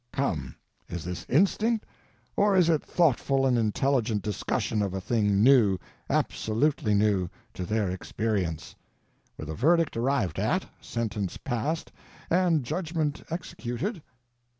Come—is this instinct, or is it thoughtful and intelligent discussion of a thing new—absolutely new—to their experience; with a verdict arrived at, sentence passed, and judgment executed?